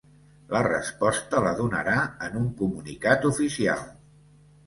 La resposta la donarà en un comunicat oficial.